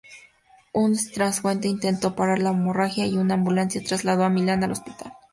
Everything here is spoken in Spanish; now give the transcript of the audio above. Un transeúnte intentó parar la hemorragia y una ambulancia trasladó a Milan al hospital.